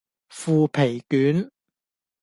腐皮卷